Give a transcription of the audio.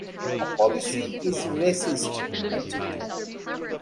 A policy is "racist" (adjective).